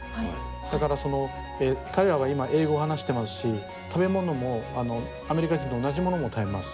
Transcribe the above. だから彼らは今英語を話してますし食べ物もアメリカ人と同じものも食べます。